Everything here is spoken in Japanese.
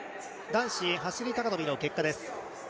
男子走高跳の結果です。